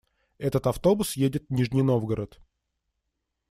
Этот автобус едет в Нижний Новгород.